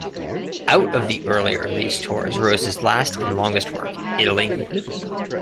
Out of the earlier of these tours arose his last and longest work, "Italy".